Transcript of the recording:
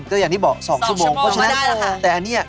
ก็อย่างที่บอกสองชั่วโมงสองชั่วโมงก็ได้แหละค่ะแต่อันนี้อ่ะ